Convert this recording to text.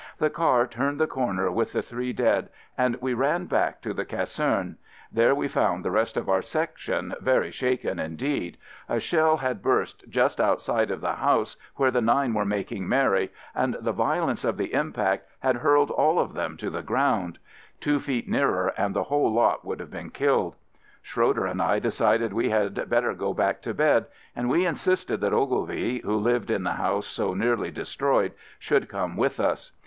The car turned the corner with the three dead and we ran back to the ca serne. There we found the rest of our Section very shaken, indeed. A shell had burst just outside of the house where the nine were making merry and the vio 76 AMERICAN AMBULANCE lence of the impact had hurled all of them to the ground. Two feet nearer and the whole lot would have been killed. Schroeder and I decided we had better go back to bed, and we insisted that Ogilvie (who lived in the house so nearly de stroyed) should come with us.